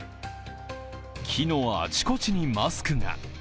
木のあちこちにマスクが。